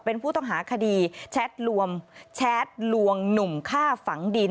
เป็นผู้ต้องหาคดีแชดลวงหนุ่มห้าฝังดิน